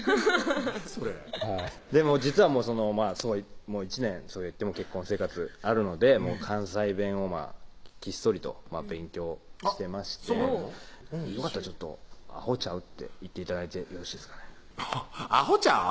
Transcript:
それでも実はもう１年そう言っても結婚生活あるので関西弁をひっそりと勉強してましてよかったら「アホちゃう？」って言って頂いてよろしいですかねアホちゃう？